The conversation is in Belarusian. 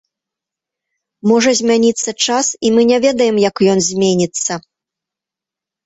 Можа змяніцца час, і мы не ведаем, як ён зменіцца.